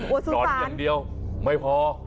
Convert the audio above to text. โอ้สุสานร้อนอย่างเดียวไม่พอ